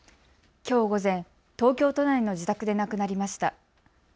きょう午前、東京都内の自宅で亡くなりました。